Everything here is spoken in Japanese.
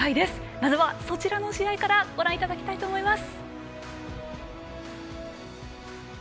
まずはそちらの試合からご覧いただきたいと思います。